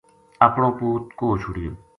اپنو پوت کوہ چھُڑیو